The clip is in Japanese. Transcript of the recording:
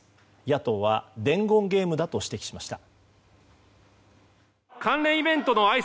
野党は伝言ゲームだと指摘しました。